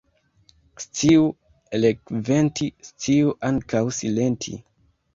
Sciu elokventi, sciu ankaŭ silenti.